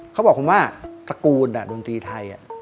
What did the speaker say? เขาบอกผมว่าตระกูลดนตรีไทย